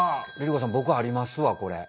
さん僕ありますわこれ。